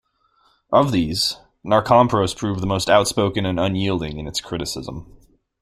Of these, Narkompros proved the most outspoken and unyielding in its criticism.